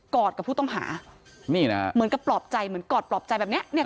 กอดกับผู้ต้องหาเหมือนกับปลอบใจเหมือนกอดปลอบใจแบบนี้